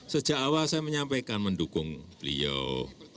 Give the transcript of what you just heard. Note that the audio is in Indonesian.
sejak awal saya menyampaikan mendukung beliau